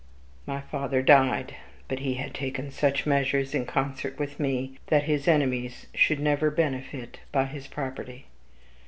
My father died; but he had taken such measures, in concert with me, that his enemies should never benefit by his property.